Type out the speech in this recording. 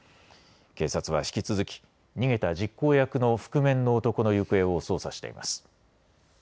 警察は引き続き、逃げた実行役の覆面の男の行方を捜査しています。